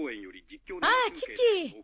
ああキキ。